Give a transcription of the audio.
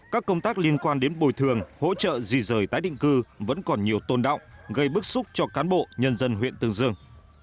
các công tác liên quan đến bồi thường hỗ trợ di rời tái định cư vẫn còn nhiều tồn động gây bức xúc cho cán bộ nhân dân huyện tương dương